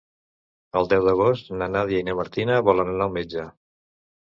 El deu d'agost na Nàdia i na Martina volen anar al metge.